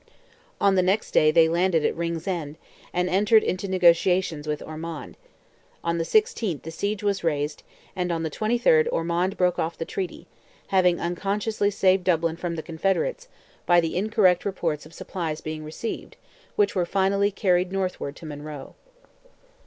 On the next day they landed at Ringsend, and entered into negotiations with Ormond; on the 16th the siege was raised, and on the 23rd Ormond broke off the treaty, having unconsciously saved Dublin from the Confederates, by the incorrect reports of supplies being received, which were finally carried northward to Monroe.